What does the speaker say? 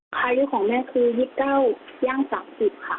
อายุของแม่คือ๒๙ย่าง๓๐ค่ะ